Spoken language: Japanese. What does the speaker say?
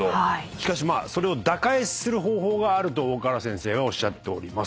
しかしそれを打開する方法があると大河原先生はおっしゃってます。